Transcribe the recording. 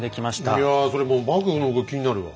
いやそれもう幕府の動き気になるわ。